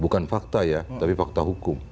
bukan fakta ya tapi fakta hukum